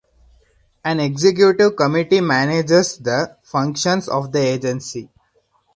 An executive committee manages the functions of the agency.